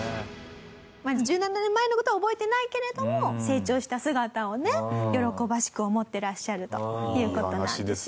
１７年前の事は覚えてないけれども成長した姿をね喜ばしく思ってらっしゃるという事なんですよ。